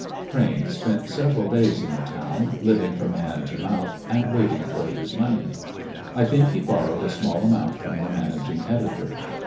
Crane spent several days in the town, living from hand to mouth and waiting for his money. I think he borrowed a small amount from the managing editor.